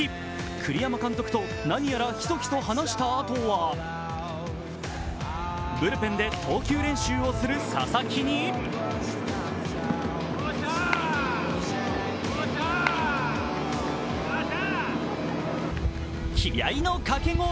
栗山監督と何やらひそひそ話したあとはブルペンで投球練習をする佐々木に気合いの掛け声。